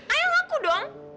ayolah aku dong